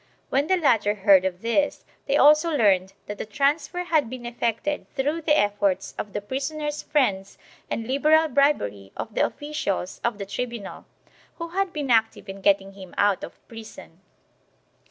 When the latter heard of this they also learned that the transfer had been effected through the efforts of the prisoner's friends and liberal bribery of the officials of the tribunal, who had been active in getting him out of prison.